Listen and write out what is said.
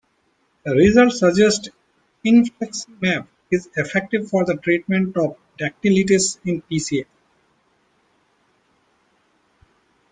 Results suggest infliximab is effective for the treatment of dactylitis in PsA.